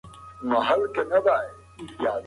دا غږ د ملا په وجود کې انګازې وکړې.